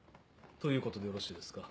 ということでよろしいですか？